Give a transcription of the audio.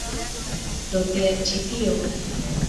Do tial ĉi tio.